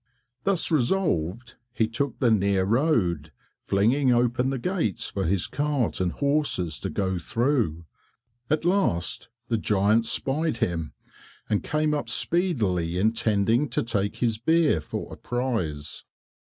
Thus resolved, he took the near road, flinging open the gates for his cart and horses to go through. At last the giant spied him, and came up speedily, intending to take his beer for a prize.